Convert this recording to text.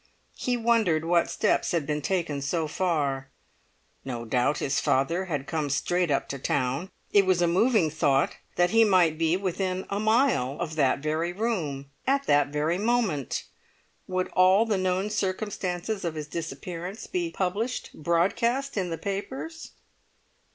He wondered what steps had been taken so far. No doubt his father had come straight up to town; it was a moving thought that he might be within a mile of that very room at that very moment. Would all the known circumstances of his disappearance be published broadcast in the papers?